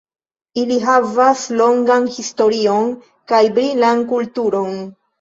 Ili havas longan historion kaj brilan kulturon.